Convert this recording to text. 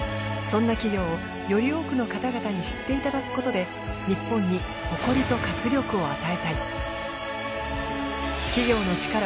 そんな企業をより多くの方々に知っていただくことで日本に誇りと活力を与えたい。